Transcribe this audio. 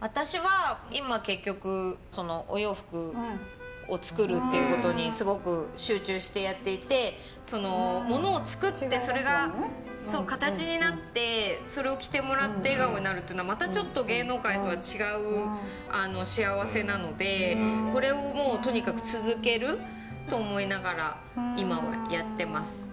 私は今結局お洋服を作るっていうことにすごく集中してやっていてその物を作ってそれが形になってそれを着てもらって笑顔になるっていうのはまたちょっと芸能界とは違う幸せなのでこれをとにかく続けると思いながら今はやってます。